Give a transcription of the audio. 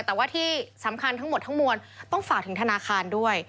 แต่ว่าที่สำคัญทั้งหมดทั้งมวลต้องฝากถึงธนาคารด้วย